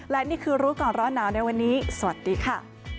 และนี่คือรู้ก่อนร้อนหนาวในวันนี้สวัสดีค่ะ